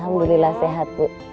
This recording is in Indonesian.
alhamdulillah sehat bu